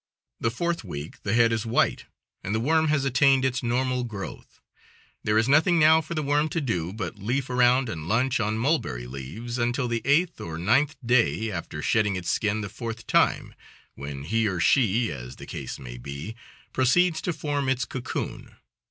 The fourth week the head is white, and the worm has attained its normal growth. There is nothing now for the worm to do but leaf around and lunch on mulberry leaves until the eighth or ninth day after shedding its skin the fourth time, when he or she, as the case may be, proceeds to form its cocoon.